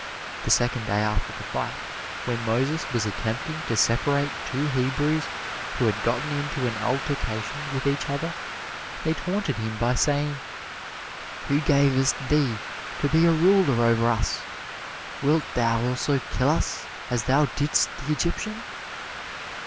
The second day after the fight, when Moses was attempting to separate two Hebrews who had gotten into an altercation with each other, they taunted him by saying, "Who gavest thee to be a ruler over us? wilt thou also kill us as thou didst the Egyptian?"